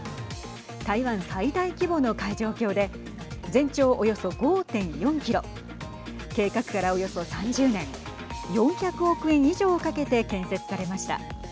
台湾最大規模の海上橋で全長およそ５．４キロ計画から、およそ３０年４００億円以上をかけて建設されました。